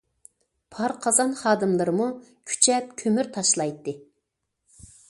پار قازان خادىملىرىمۇ كۈچەپ كۆمۈر تاشلايتتى.